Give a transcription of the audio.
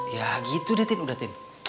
ya gitu deh tin udah tin